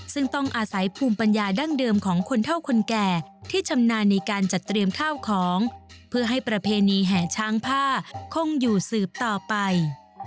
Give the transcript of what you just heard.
ซึ่งต้องอาศัยภูมิปัญญาดั้งเดิมของคนเท่าคนแก่ที่ชำนาญในการจัดเตรียมข้าวของเพื่อให้ประเพณีแห่ช้างผ้าคงอยู่สืบต่อไป